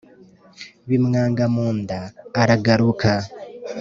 bimwanga mu nda aragaruka